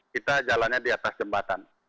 kita jalannya di atas jembatan